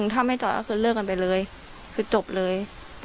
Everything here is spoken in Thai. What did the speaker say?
ถ้าไม่จอดก็คือเลิกกันไปเลยคือจบเลย